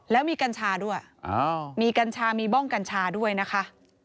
แล้วมีกัญชาด้วยมีกัญชามีบ้องกัญชาด้วยนะคะ